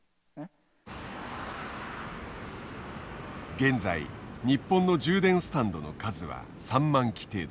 現在日本の充電スタンドの数は３万基程度。